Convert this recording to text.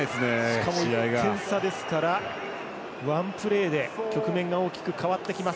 しかも１点差ですからワンプレーで局面が大きく変わってきます。